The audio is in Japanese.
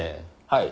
はい。